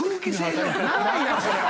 長いなそれは。